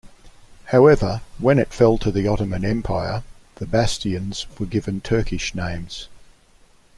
However, when it fell to the Ottoman Empire, the bastions were given Turkish names.